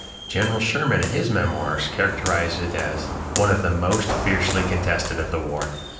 General Sherman, in his "Memoirs," characterizes it as "one of the most fiercely contested of the war."